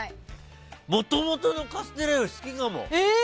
もともとのカステラより好きかも。